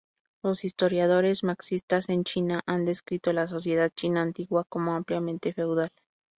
Los historiadores marxistas en China han descrito la sociedad china antigua como ampliamente feudal.